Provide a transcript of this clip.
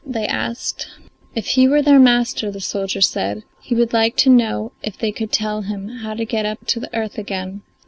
they asked. If he were their master, the soldier said, he would like to know if they could tell him how to get up to the earth again.